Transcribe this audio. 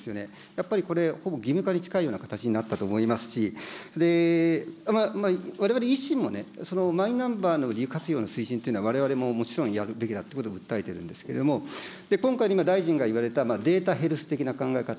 やっぱりこれ、ほぼ義務化に近いような形になったと思いますし、われわれ維新もね、マイナンバーの利活用の推進というのは、われわれももちろんやるべきだってことを訴えてるんですけれども、今回の今大臣が言われた、データヘルス的な考え方。